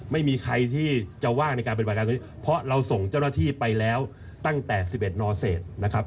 ไม่มีใครที่จะว่างในการปฏิบัติการตรงนี้เพราะเราส่งเจ้าหน้าที่ไปแล้วตั้งแต่๑๑นเศษนะครับ